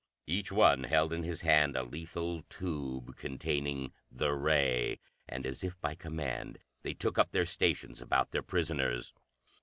Each one held in his hand a lethal tube containing the ray, and, as if by command, they took up their stations about their prisoners.